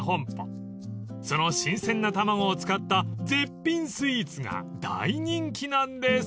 ［その新鮮な卵を使った絶品スイーツが大人気なんです］